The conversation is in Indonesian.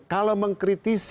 kalau mengkritisi dengan manusia